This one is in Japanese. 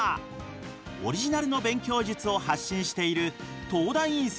オリジナルの勉強術を発信している東大院